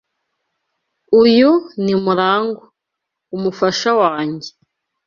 Uyu ni Murangwa, umufasha wanjye.